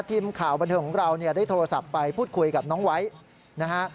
ทีมข่าวบันทึกของเราได้โทรศัพท์ไปพูดคุยกับน้องไวท์